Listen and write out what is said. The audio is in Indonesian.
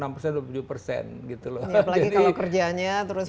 apalagi kalau kerjanya terus